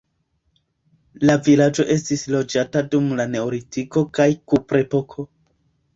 La vilaĝo estis loĝata dum la neolitiko kaj kuprepoko.